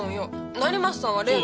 成増さんは例の。